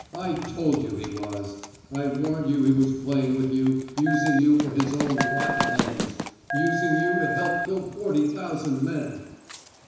I told you he was. I warned you he was playing with you using you for his own rotten ends using you to help kill forty thousand men!"